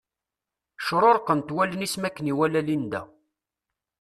Cruṛqent wallen-is makken iwala Linda.